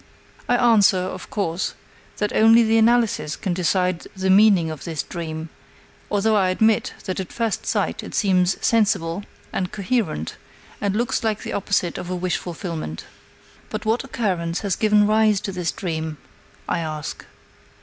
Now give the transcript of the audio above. "_ I answer, of course, that only the analysis can decide the meaning of this dream, although I admit that at first sight it seems sensible and coherent, and looks like the opposite of a wish fulfillment. "But what occurrence has given rise to this dream?" I ask.